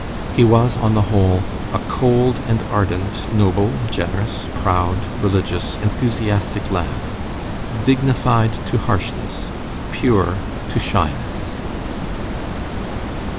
He was, on the whole, a cold and ardent, noble, generous, proud, religious, enthusiastic lad; dignified to harshness, pure to shyness.